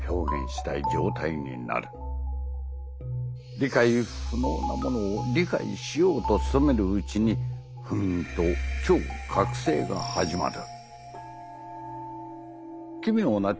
「理解不能なものを理解しようと努めるうちに不眠と超覚醒がはじまる」。